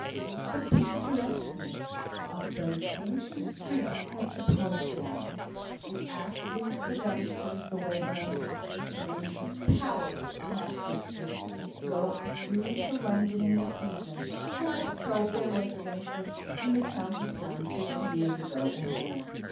The picturesqueness of those ancient streets has departed now. The Astleys, the Dunstans, the Waverhams names of power in that district go up duly to London in the season, and have sold their residences in the county town fifty years ago, or more.